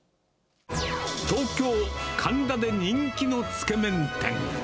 東京・神田で人気のつけ麺店。